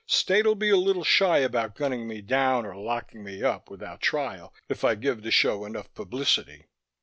State'll be a little shy about gunning me down or locking me up without trial, if I give the show enough publicity."